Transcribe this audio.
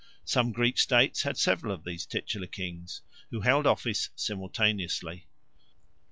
Some Greek states had several of these titular kings, who held office simultaneously.